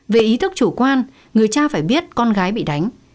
về ý thức chủ quan người cha phải biết con gái bị đánh